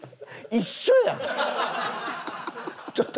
一緒やん！